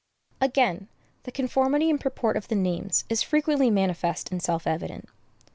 Again, the conformity and purport of the names is frequently manifest and self evident.